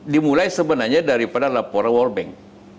dimulai sebenarnya daripada laporan world bank